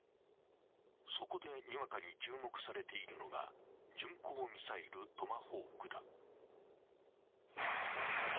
そこで、にわかに注目されているのが巡航ミサイル・トマホークだ。